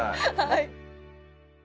はい。